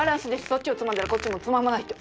そっちをつまんだらこっちもつままないと。